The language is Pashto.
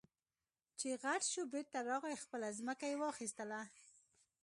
چې غټ شو بېرته راغی خپله ځمکه يې واخېستله.